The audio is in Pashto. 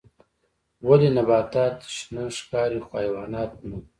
ولې نباتات شنه ښکاري خو حیوانات نه